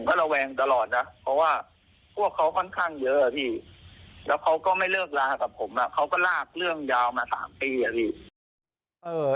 เขาก็ลากเรื่องยาวมา๓ปี